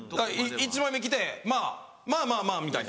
１枚目来てまぁまぁまぁまぁみたいな。